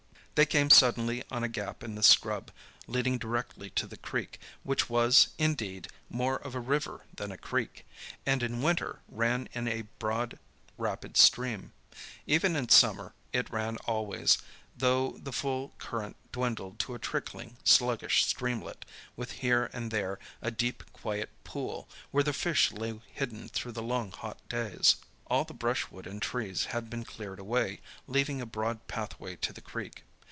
They came suddenly on a gap in the scrub, leading directly to the creek, which was, indeed, more of a river than a creek, and in winter ran in a broad, rapid stream. Even in summer it ran always, though the full current dwindled to a trickling, sluggish streamlet, with here and there a deep, quiet pool, where the fish lay hidden through the long hot days. All the brushwood and trees had been cleared away, leaving a broad pathway to the creek.